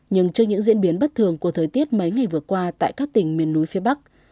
nhưng trước những diễn biến bất thường của thời tiết mấy ngày vừa qua tại các tỉnh miền núi phía bắc